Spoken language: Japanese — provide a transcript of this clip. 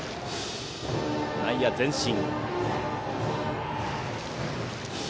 内野、前進。